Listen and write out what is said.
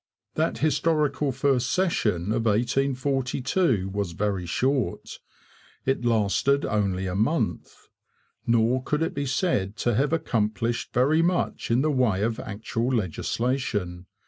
That historical first session of 1842 was very short; it lasted only a month. Nor could it be said to have accomplished very much in the way of actual legislation.